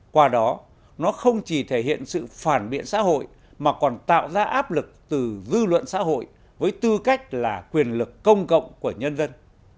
qua đó nó không chỉ thể hiện sự phản biện xã hội mà còn tạo ra áp lực từ dư luận xã hội với tư cách là quyền lực công cộng của nhân dân